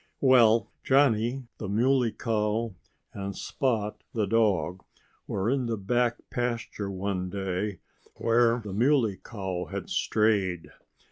Well, Johnnie, the Muley Cow and Spot the dog were in the back pasture one day, where the Muley Cow had strayed.